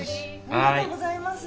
ありがとうございます。